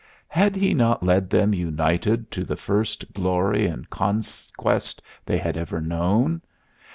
Had he not led them united to the first glory and conquest they had ever known?